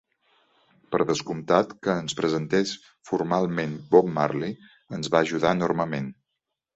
Per descomptat, que ens presentés formalment Bob Marley ens va ajudar enormement.